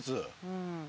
うん。